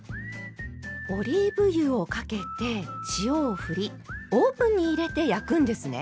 オリーブ油をかけて塩をふりオーブンに入れて焼くんですね。